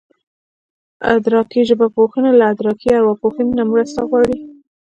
ادراکي ژبپوهنه له ادراکي ارواپوهنې نه مرسته غواړي